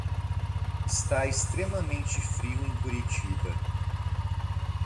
Está extremamente frio em Curitiba